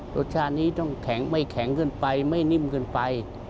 รสชาตินี้ไม่แข็งขึ้นไปไม่นิ่มขึ้นไป